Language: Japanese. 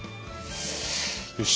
よし！